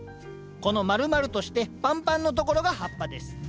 このまるまるとしてパンパンのところが葉っぱです。